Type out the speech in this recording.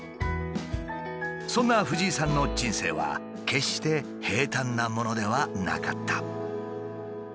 そんな藤井さんの人生は決して平たんなものではなかった。